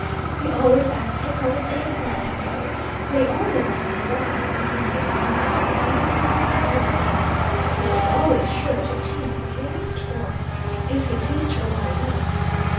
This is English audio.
He always acted upon the same plan afterward; for he only once in a while (when he made his mother very angry) got a whipping; but he was always sure to obtain what he asked for, if he teased her long enough.